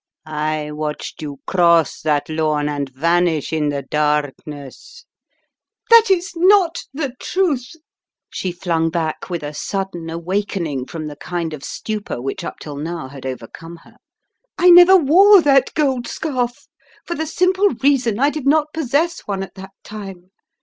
I watched you cross that lawn and vanish in the darkness." "That is not the truth," she flung back with a sudden awakening from the kind of stupor which up till now had overcome her. "I never wore that gold scarf for the simple reason I did not possess one at that time.